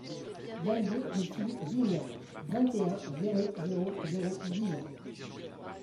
vingt-deux rue Philippe Guignard, vingt et un, zéro zéro zéro, Dijon